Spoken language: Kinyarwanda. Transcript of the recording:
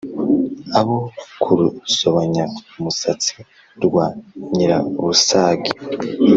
abo ku rusobanyamusatsi rwa nyirabusage